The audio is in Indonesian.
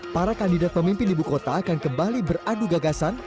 para kandidat pemimpin ibu kota akan kembali beradu gagasan